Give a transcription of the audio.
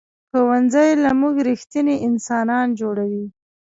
ښوونځی له موږ ریښتیني انسانان جوړوي